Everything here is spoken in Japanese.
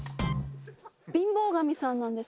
貧乏神さんなんです。